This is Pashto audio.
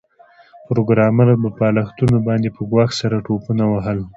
پروګرامر په بالښتونو باندې په ګواښ سره ټوپونه وهل